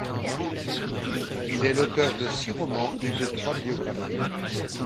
Il est l’auteur de six romans et de trois biographies.